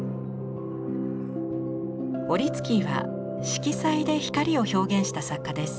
オリツキーは色彩で光を表現した作家です。